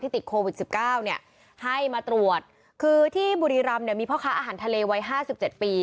ที่ติดโควิด๑๙ให้มาตรวจคือที่บุรีรำมีพ่อค้าอาหารทะเลไว้๕๗ปี